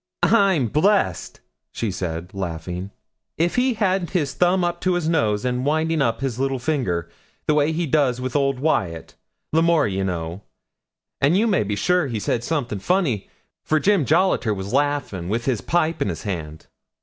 'I'm blessed,' said she, laughing, 'if he hadn't his thumb to his nose, and winding up his little finger, the way he does with old Wyat L'Amour, ye know; and you may be sure he said something funny, for Jim Jolliter was laughin', with his pipe in his hand.'